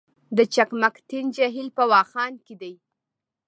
د چقمقتین جهیل په واخان کې دی